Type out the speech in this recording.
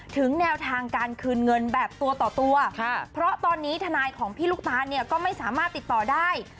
ถึงแนวทางการคืนเงินแบบตัวต่อตัวเพราะตอนนี้ทนายของพี่ลูกตานเนี่ยก็ไม่สามารถติดต่อได้